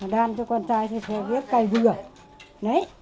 ban cho con trai thì phải viết cây vừa